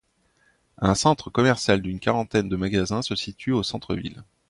Un centre commercial d'une quarantaine de magasins se situe au centre-ville.